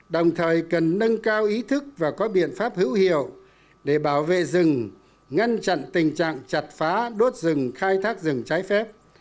đồng thời cần nâng cao ý thức và có biện pháp hữu hiệu để bảo vệ rừng ngăn chặn tình trạng chặt phá đốt rừng khai thác rừng trái phép